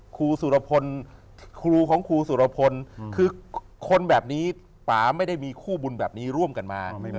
ครูสุรพลครูของครูสุรพลคือคนแบบนี้ป่าไม่ได้มีคู่บุญแบบนี้ร่วมกันมา